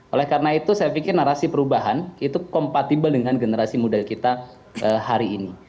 oleh karena itu saya pikir narasi perubahan itu kompatibel dengan generasi muda kita hari ini